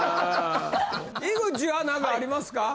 井口はなんかありますか？